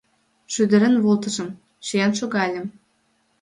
Шӱдырен волтышым — чиен шогальым.